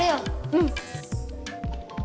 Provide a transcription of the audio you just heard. うん！